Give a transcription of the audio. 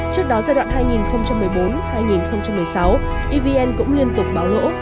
trước đó giai đoạn hai nghìn một mươi bốn hai nghìn một mươi sáu evn cũng liên tục báo lỗ